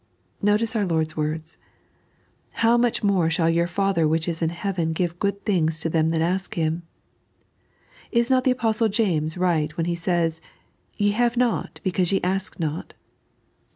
Notice oar Lord's words :" How much more shall your Father which is in heaven give good things to them that ask Him," Is not the Apostle James right when He says :" Ye have not because ye ask not